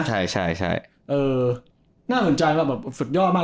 หน้าที่กรูนกรารดินชัยคือสุดยอดมาก